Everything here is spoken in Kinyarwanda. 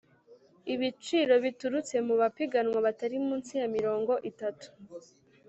ibiciro biturutse mu bapiganwa batari munsi ya mirongo itatu